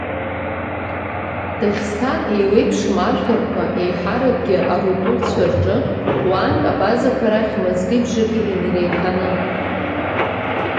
Даӷьсҭан еиуеиԥшым ажәларқәа, еиҳаракгьы арутулцәа рҿы, уантә абазақәа рахь мызки бжаки инареиҳаны…